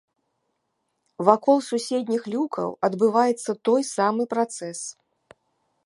Вакол суседніх люкаў адбываецца той самы працэс.